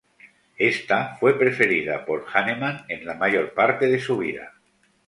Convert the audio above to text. Esta fue preferida por Hahnemann en la mayor parte de su vida.